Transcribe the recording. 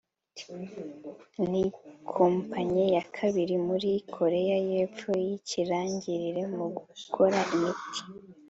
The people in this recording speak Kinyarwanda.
ni kompanyi ya kabiri muri Korea y’Epfo y’ikirangirire mu gukora imiti